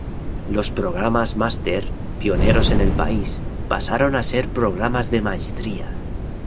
Los programas Máster, pioneros en el país, pasaron a ser programas de Maestría.